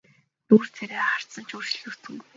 Нүүр царай харц нь ч өөрчлөгдсөнгүй.